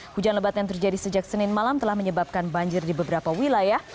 hujan lebat yang terjadi sejak senin malam telah menyebabkan banjir di beberapa wilayah